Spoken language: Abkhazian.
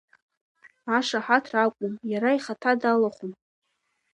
Ашаҳаҭра акәым, иара ихаҭа далахәын.